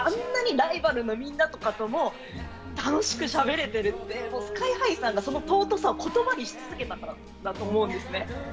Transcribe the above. だけど、それに自信を持っていて、あんなにライバルのみんなとかと楽しくしゃべれてるって、ＳＫＹ−ＨＩさんがその尊さを言葉にし続けたからだと思うんです。